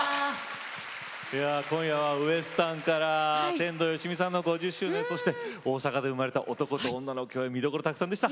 今夜はウエスタンから天童よしみさんの５０周年そして大阪で生まれた男と女の共演見どころたくさんでした。